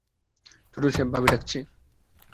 ছোট সাহেব, ভাবি ডাকছে।